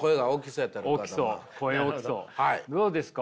どうですか？